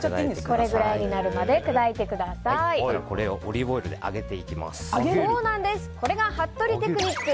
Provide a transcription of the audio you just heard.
これぐらいになるまでこれをオリーブオイルでこれが服部テクニック。